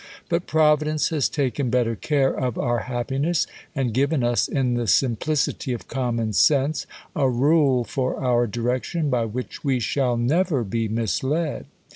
But Providence has taken better care of our happiness, and given us, in the simplicity of com mon sense, a rule for our direction, by which we shall never be misled.